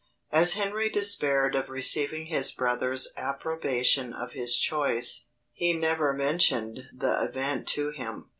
As Henry despaired of receiving his brother's approbation of his choice, he never mentioned the event to him.